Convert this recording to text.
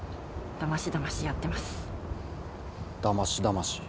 だましだまし？